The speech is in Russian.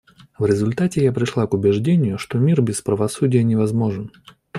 В результате я пришла к убеждению, что мир без правосудия невозможен.